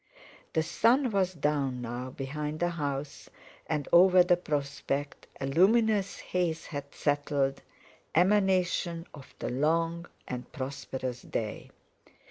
The sun was down now, behind the house, and over the "prospect" a luminous haze had settled, emanation of the long and prosperous day.